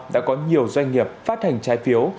đã có nhiều doanh nghiệp phát hành trái phiếu